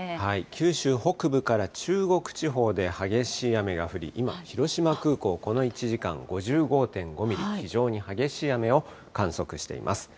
九州北部から中国地方で激しい雨が降り、今、広島空港、この１時間、５５．５ミリ、非常に激しい雨を観測しています。